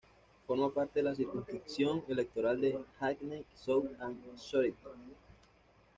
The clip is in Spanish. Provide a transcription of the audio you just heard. Forma parte de la circunscripción electoral de "Hackney South and Shoreditch".